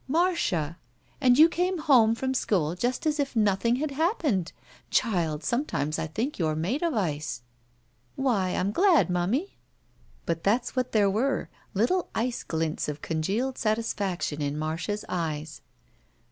Marcia! and you came home from school just as if nothing had happened! Child, sometimes I think you're made of ice." "Why, I'm glad, momie." But that's what there were, little ice glints of con gealed satisfaction in Marda's eyes.